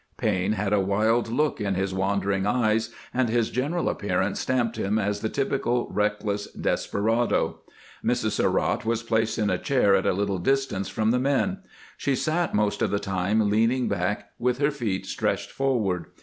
Payne had a wUd look in his wandering eyes, and his general ap pearance stamped him as the typical reckless desperado. Mrs. Surratt was placed in a chair at a little distance from the men. She sat most of the time leaning back, with her feet stretched forward.